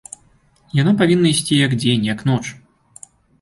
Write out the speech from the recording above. Яна павінна ісці як дзень, як ноч.